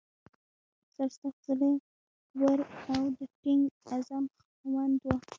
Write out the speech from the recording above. سرسخت، زړه ور او د ټینګ عزم خاوند و.